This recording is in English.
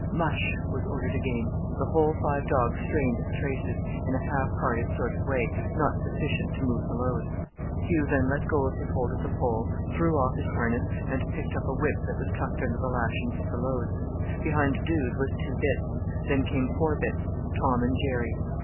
"Mush," was ordered again. The whole five dogs strained at the traces, in a half hearted sort of way, not sufficient to move the load. Hugh then let go his hold of the pole, threw off his harness, and picked up a whip that was tucked under the lashings of the load. Behind Dude was Two Bits; then came Four Bits, Tom and Jerry.